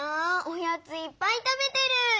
おやついっぱい食べてる！